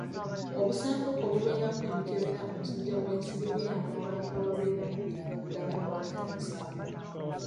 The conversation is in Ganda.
Obusanduuko obubeeramu ebikebera omusujja gw'ensiri buyamba abantu ababeera mu byalo ddaala awatali musawo.